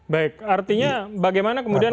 baik artinya bagaimana kemudian